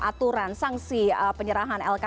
aturan sanksi penyerahan